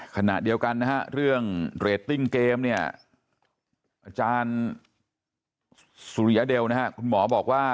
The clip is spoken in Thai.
ขณะเดียวกันนะฮะเรื่องเรตติ้งเกมเนี่ยอาจารย์สุริยเดลนะฮะคุณหมอบอกว่า